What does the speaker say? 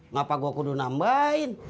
ngapa gua kudu nambahin